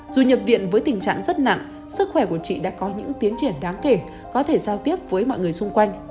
dù nhập viện với tình trạng rất nặng sức khỏe của chị đã có những tiến triển đáng kể có thể giao tiếp với mọi người xung quanh